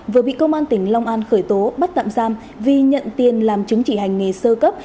vừa bị công an tỉnh long an khởi tố bắt tạm giam vì nhận tiền làm chứng chỉ hành nghề sơ cấp